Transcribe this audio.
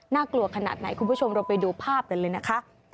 กลัวขนาดไหนคุณผู้ชมเราไปดูภาพกันเลยนะคะ